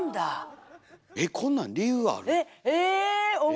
えっこんなん理由ある？